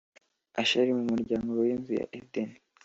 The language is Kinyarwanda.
ashire mu muryango w’inzu ya Edeni